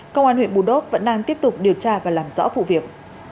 công an huyện bù đốc vẫn đang tiếp tục điều tra và làm rõ vụ việc